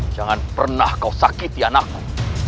jangan pernah kau sakiti anakmu